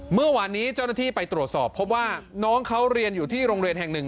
เมื่อวานนี้เจ้าหน้าที่ไปตรวจสอบพบว่าน้องเขาเรียนอยู่ที่โรงเรียนแห่งหนึ่ง